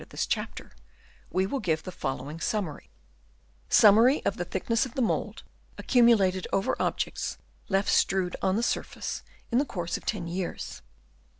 of this chapter), we will give the following summary :— Summary of the thickness of the Mould accumulated over Objects left strewed on the Surface, in the course of ten years.